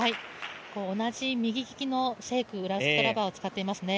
同じ右利きのシェーク、裏ソフトラバーを使ってますね。